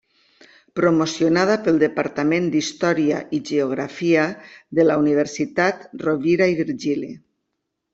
Promocionada pel departament d'Història i Geografia de la Universitat Rovira i Virgili.